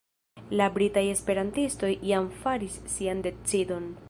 La britaj esperantistoj jam faris sian decidon.